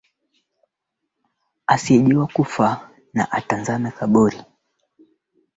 Alipekua hadi mwisho na hakufanikiwa kuyapata majina ya Juliana na Daisy Owimana